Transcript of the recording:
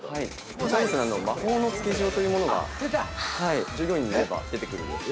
魔法のつけ塩というものが、従業員に言えば出てくるんです。